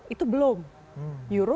itu belum euro